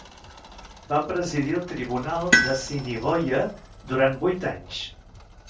Va presidir el tribunal d'Assiniboia durant vuit anys.